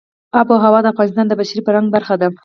آب وهوا د افغانستان د بشري فرهنګ برخه ده.